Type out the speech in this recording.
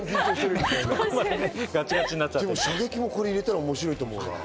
射撃もこれ入れたら面白いと思う。